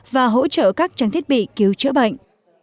và hỗ trợ các trang thiết bị cứu chữa bệnh